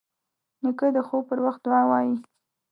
نیکه د خوب پر وخت دعا وايي.